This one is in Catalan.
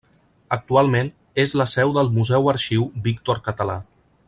Actualment, és la seu del Museu arxiu Víctor Català.